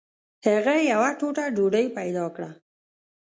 هغه یوه ټوټه ډوډۍ پیدا کړه.